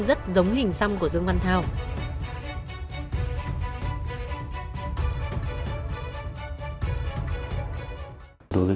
rất giống hình xăm của dương văn thao